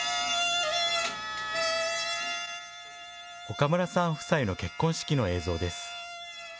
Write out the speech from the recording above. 岡村さん夫妻の結婚式の映像です。